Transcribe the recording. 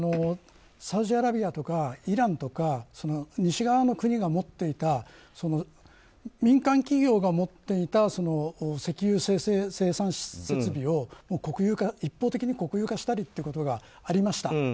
サウジアラビアとかイランとか西側の国が持っていた民間企業が持っていた石油生産設備を一方的に国有化したことがありました。